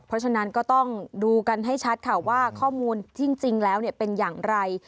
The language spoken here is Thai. เพราะฉะนั้นก็ต้องดูกันให้ชัดค่ะว่าข้อมูลที่จริงแล้วเป็นอย่างไร